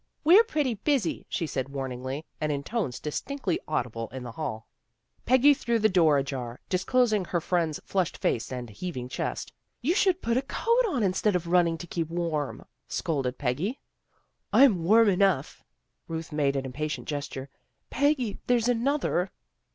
" We're pretty busy," she said warningly, and in tones distinctly audible in the hall. Peggy threw the door ajar, disclosing her friend's flushed face and heaving chest. '' You 178 THE GIRLS OF FRIENDLY TERRACE should put on a coat, instead of running to keep warm," scolded Peggy. " I'm warm enough." Ruth made an impa tient gesture. " Peggy, there's another."